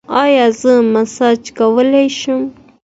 ایا زه مساج کولی شم؟